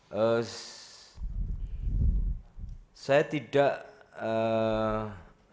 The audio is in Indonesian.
saya tidak apa namanya saya tidak mencari materi materi lain